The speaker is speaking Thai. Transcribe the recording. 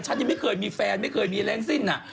ฉันยังไม่เคยมีแฟนไม่เคยมีแรงสิ้น